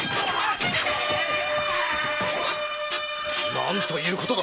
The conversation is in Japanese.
何ということだ！